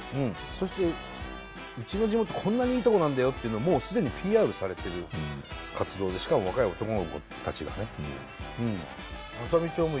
そしてうちの地元こんなにいいとこなんだよっていうのをもうすでにＰＲされてる活動でしかも若い男の子たちがね。